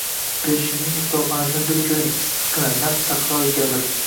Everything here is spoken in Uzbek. Pershinning ustaxonasini bir koʻring, issiqqina, naq Sahroyi Kabir.